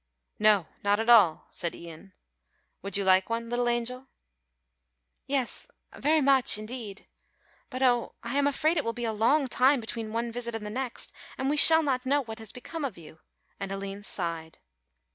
"No, not at all," said Ian. "Would you like one, little angel?" "Yes, very much indeed; but oh, I am afraid it will be a long time between one visit and the next, and we shall not know what has become of you," and Aline sighed.